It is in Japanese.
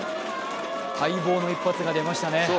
待望の一発が出ましたね。